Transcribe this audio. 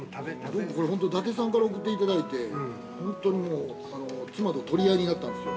◆僕、これ本当、伊達さんから送っていただいて、本当にもう、妻と取り合いになったんですよ。